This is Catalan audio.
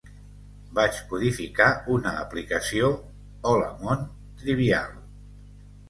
Vaig codificar una aplicació "Hola món" trivial.